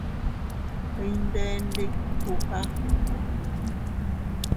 Iyndè ndikuka.